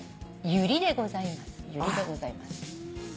ユリでございます。